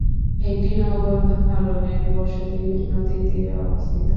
একটি নগর-ধরনের বসতি নদীর তীরে অবস্থিত।